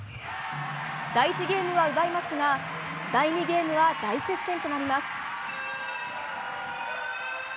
第１ゲームは奪いますが第２ゲームは大接戦となります。